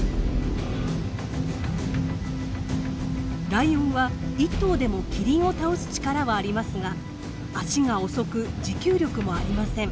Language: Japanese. ライオンは１頭でもキリンを倒す力はありますが足が遅く持久力もありません。